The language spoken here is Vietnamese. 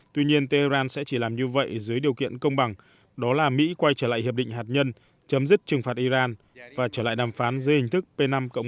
tuy nhiên tehran sẽ chỉ làm như vậy dưới điều kiện công bằng đó là mỹ quay trở lại hiệp định hạt nhân chấm dứt trừng phạt iran và trở lại đàm phán dưới hình thức p năm một